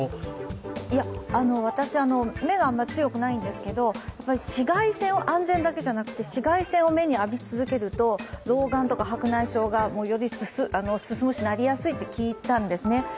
私、目があんまり強くないんですけと安全だけじゃなくて、紫外線を目に浴び続けると老眼とか白内障がより進むしなりやすいって聞いたんですね。